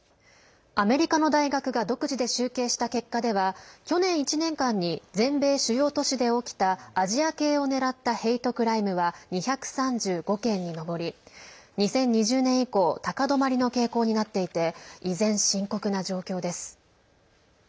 アメリカの大学が独自で集計した結果では去年１年間に全米主要都市で起きたアジア系を狙ったヘイトクライムは２３５件に上り２０２０年以降高止まりの傾向になっていて依然、深刻な状況です。